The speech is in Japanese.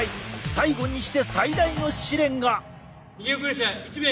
最後にして最大の試練が！